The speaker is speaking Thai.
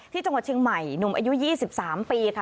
ที่จังหวัดเชียงใหม่หนุ่มอายุ๒๓ปีค่ะ